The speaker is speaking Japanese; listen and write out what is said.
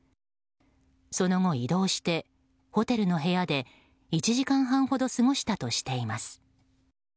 その後、移動してホテルの部屋で１時間半ほど過ごしたとしています。